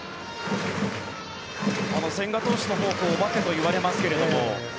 千賀投手のフォークお化けといわれますけども。